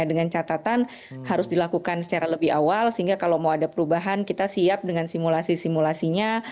jadi peratatan harus dilakukan secara lebih awal sehingga kalau mau ada perubahan kita siap dengan simulasi simulasinya